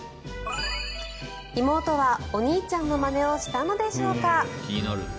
妹はお兄ちゃんのまねをしたのでしょうか。